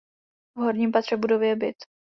V horním patře budovy je byt.